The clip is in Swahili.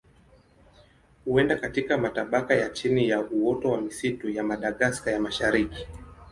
Huenda katika matabaka ya chini ya uoto wa misitu ya Madagaska ya Mashariki.